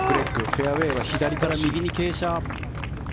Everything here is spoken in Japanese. フェアウェーは左から右に傾斜。